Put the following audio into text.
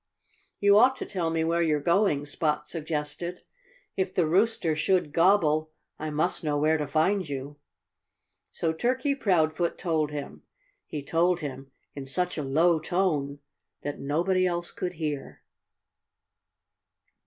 "You ought to tell me where you're going," Spot suggested. "If the Rooster should gobble I must know where to find you." So Turkey Proudfoot told him. He told him in such a low tone that nobody else could hear.